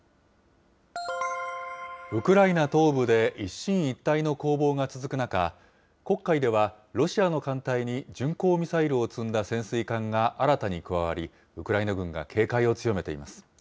ウクライナ東部で一進一退の攻防が続く中、黒海ではロシアの艦隊に巡航ミサイルを積んだ潜水艦が新たに加わり、ウクライナ軍が警戒を強めています。